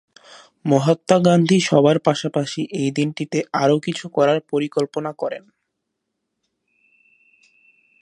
মহাত্মা গান্ধী সভার পাশাপাশি এই দিনটিতে আরও কিছু করার পরিকল্পনা করেন।